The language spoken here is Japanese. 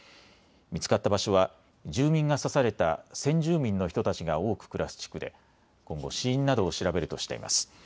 見つかった場所は住民が刺された先住民の人たちが多く暮らす地区で今後、死因などを調べるとしています。